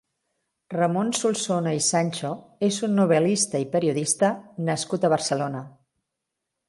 Ramon Solsona i Sancho és un novel·lista i periodista nascut a Barcelona.